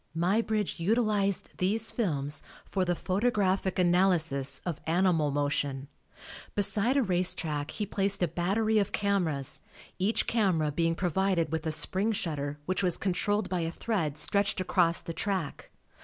Muybridge utilized these films for the photographic analysis of animal motion. Beside a race track he placed a battery of cameras, each camera being provided with a spring shutter which was controlled by a thread stretched across the track.